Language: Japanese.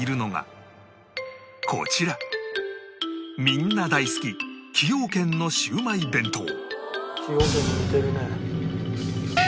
こちらみんな大好き崎陽軒のシウマイ弁当